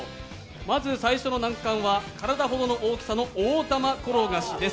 まず最初の難関は体ほどの大きさの大玉転がしです。